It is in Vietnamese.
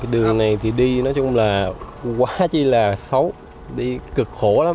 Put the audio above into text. đường này đi quá xấu đi cực khổ lắm